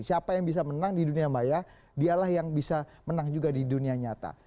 siapa yang bisa menang di dunia maya dialah yang bisa menang juga di dunia nyata